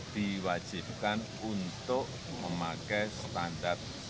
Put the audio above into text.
diwajibkan untuk memakai sebuah perusahaan yang berkaitan dengan akses